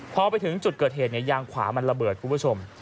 พอไปถึงจุดเกิดเหตุยางขวามันระเบิดคุณผู้ชม